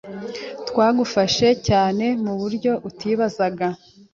bwagufasha cyane mu buryo utibazaga